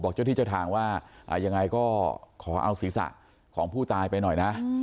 เจ้าที่เจ้าทางว่ายังไงก็ขอเอาศีรษะของผู้ตายไปหน่อยนะ